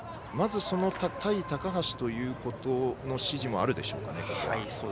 まず、その対高橋ということの指示もあるでしょうか。